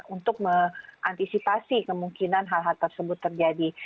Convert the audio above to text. untuk mengantisipasi kemungkinan hal hal tersebut terjadi